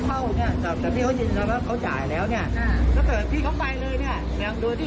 แต่พี่เขายืนยันว่าเขาจ่ายแล้วเนี่ยถ้าเกิดพี่เขาไปเลยเนี่ยอย่างโดยที่น้องเขาต้องจ่าย